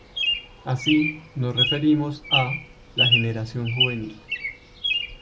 Así, nos referimos a "La generación juvenil.